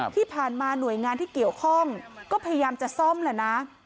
ที่ผ่านมาหน่วยงานที่เกี่ยวข้องก็พยายามจะซ่อมแหละนะ